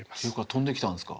飛んできたんですか？